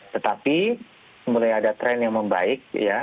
tetapi mulai ada tren yang membaik